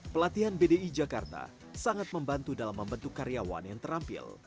pelatihan bdi jakarta sangat membantu dalam membentuk karyawan yang terampil